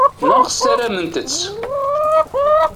Neɣ ssarament-tt.